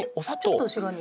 ちょっと後ろに。